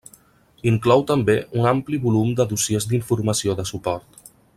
Inclou també un ampli volum de dossiers d'informació de suport.